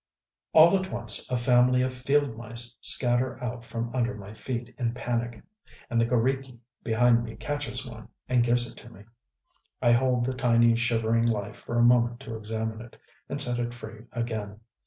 All at once a family of field mice scatter out from under my feet in panic; and the g┼Źriki behind me catches one, and gives it to me. I hold the tiny shivering life for a moment to examine it, and set it free again.